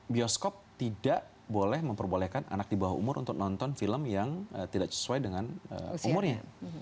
bioskop tidak boleh memperbolehkan anak di bawah umur untuk nonton film yang tidak sesuai dengan umurnya